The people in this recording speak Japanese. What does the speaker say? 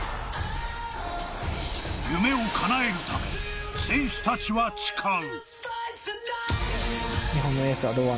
夢を叶えるため選手達は誓う。